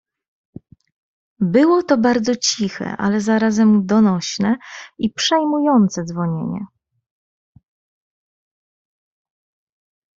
"Było to bardzo ciche, ale zarazem donośne i przejmujące dzwonienie."